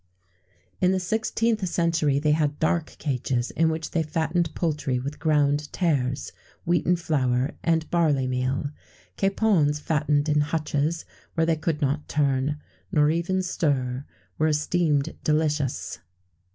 [XVII 79] In the sixteenth century they had dark cages, in which they fattened poultry with ground tares, wheaten flour, and barley meal. Capons fattened in hutches, where they could not turn, nor even stir, were esteemed delicious.